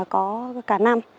có cả năm